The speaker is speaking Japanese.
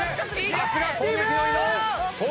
さすが攻撃の伊野尾！